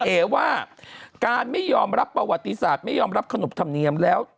เอ๋ว่าการไม่ยอมรับประวัติศาสตร์ไม่ยอมรับขนบธรรมเนียมแล้ว